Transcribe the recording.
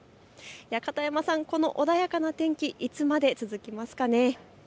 片山さん、この穏やかな天気、いつまで続きますか。